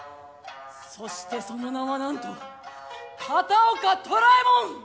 そしてその名はなんと片岡寅右衛門！